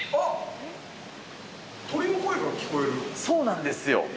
そうなんですよ。